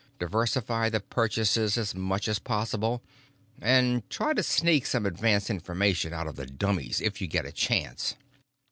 Diversify the purchases as much as possible. And try to sneak some advance information out of the dummies if you get a chance."